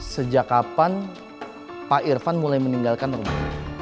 sejak kapan pak irfan mulai meninggalkan rumah